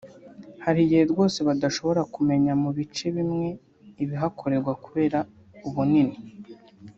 Hari igihe rwose badashobora kumenya mu bice bimwe ibihakorerwa kubera ubunini